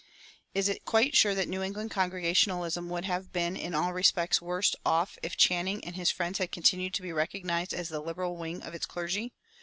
Is it quite sure that New England Congregationalism would have been in all respects worse off if Channing and his friends had continued to be recognized as the Liberal wing of its clergy?